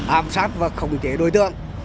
ám sát và khổng chế đối tượng